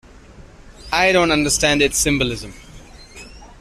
I don't understand its symbolism.